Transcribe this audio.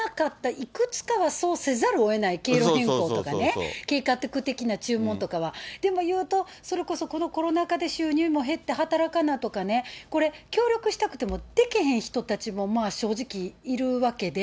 いくつかは、そうせざるをえない、経路変更とかね、計画的な注文とかは、でも、いうと、それこそ、このコロナ禍で収入も減って働かないととかね、これ、協力したくても、できへん人たちも正直いるわけで。